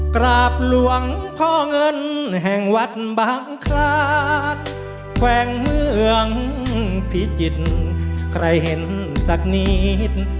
กราบหลวงพ่อเงินแห่งวัดบังคลาสแกวงเมืองพิจิตรใครเห็นสักนิด